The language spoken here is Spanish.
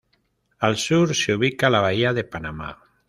Al sur se ubica la Bahía de Panamá.